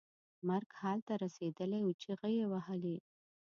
مرګ حال ته رسېدلی و چغې یې وهلې.